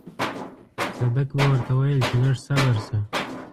صدک به ورته ويل چې لږ صبر شه.